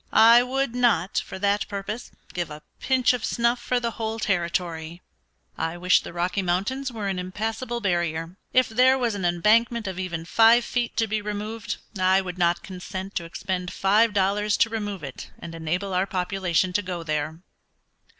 I would not, for that purpose, give a pinch of snuff for the whole territory. I wish the Rocky Mountains were an impassable barrier. If there was an embankment of even five feet to be removed I would not consent to expend five dollars to remove it and enable our population to go there."